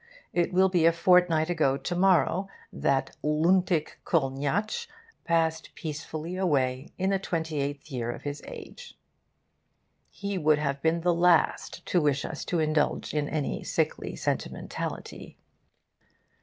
It will be a fortnight ago to morrow that Luntic Kolniyatsch passed peacefully away, in the twenty eighth year of his age. He would have been the last to wish us to indulge in any sickly sentimentality.